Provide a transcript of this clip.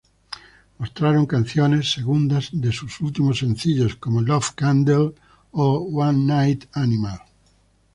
Mostraron canciones segundas de sus últimos sencillos como Love Candle o One Night Animal.